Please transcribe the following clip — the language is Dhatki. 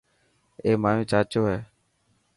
اي مايو چاچو هي.